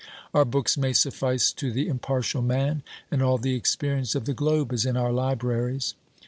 Our books may suffice to the impartial man, and all the experience of the globe is in our libraries.